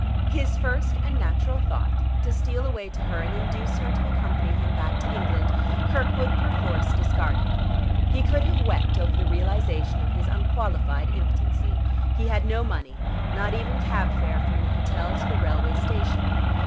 His first and natural thought, to steal away to her and induce her to accompany him back to England, Kirkwood perforce discarded. He could have wept over the realization of his unqualified impotency. He had no money, not even cab fare from the hotel to the railway station.